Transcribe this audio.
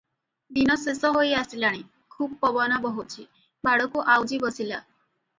ଦିନ ଶେଷ ହୋଇ ଆସିଲାଣି, ଖୁବ୍ ପବନ ବହୁଛି, ବାଡ଼କୁ ଆଉଜି ବସିଲା ।